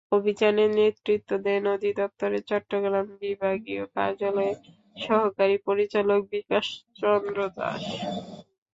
অভিযানে নেতৃত্ব দেন অধিদপ্তরের চট্টগ্রাম বিভাগীয় কার্যালয়ের সহকারী পরিচালক বিকাশ চন্দ্র দাশ।